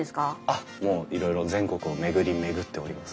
あっもういろいろ全国を巡り巡っております。